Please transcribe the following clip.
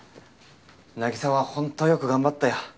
凪沙はほんとよく頑張ったよ。